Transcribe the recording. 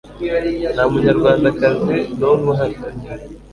nta munyarwandakazi n'umwe uhari